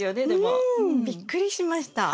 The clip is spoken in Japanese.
うん！びっくりしました。